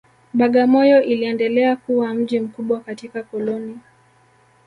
Bagamoyo iliendelea kuwa mji mkubwa katika koloni